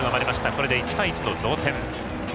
これで１対１の同点。